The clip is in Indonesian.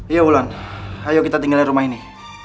iya ulan ayo kita tinggalkan rumah ini